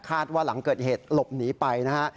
ว่าหลังเกิดเหตุหลบหนีไปนะฮะ